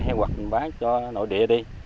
hoặc mình bán cho nội địa đi